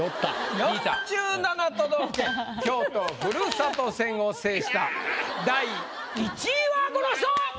４７都道府県京都ふるさと戦を制した第１位はこの人！